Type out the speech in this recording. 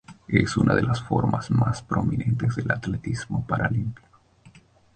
Es una de las formas más prominentes del atletismo paralímpico.